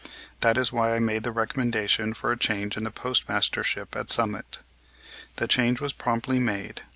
That is why I made the recommendation for a change in the postmastership at Summit. The change was promptly made.